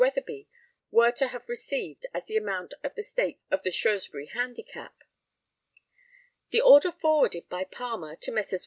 Weatherby were to have received as the amount of the stakes of the Shrewsbury Handicap. The order forwarded by Palmer to the Messrs.